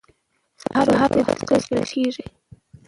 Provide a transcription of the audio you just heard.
سهار وختي رزق ویشل کیږي.